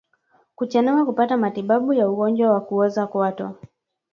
Kuchelewa kupata matibabu ya ugonjwa wa kuoza kwato